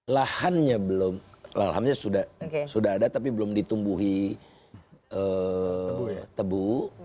lahannya belum lahamnya sudah ada tapi belum ditumbuhi tebu